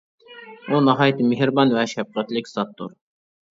ئۇ ناھايىتى مېھرىبان ۋە شەپقەتلىك زاتتۇر.